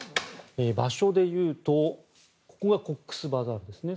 場所でいうとここが、コックスバザールですね